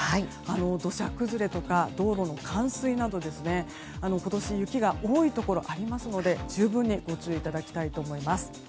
土砂崩れとか道路の冠水など今年雪が多いところありますので十分にご注意いただきたいと思います。